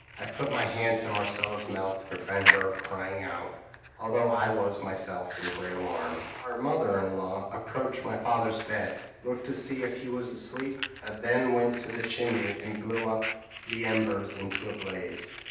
I put my hand to Marcella's mouth to prevent her crying out, although I was myself in great alarm. Our mother in law approached my father's bed, looked to see if he was asleep, and then went to the chimney and blew up the embers into a blaze.